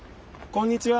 こんにちは！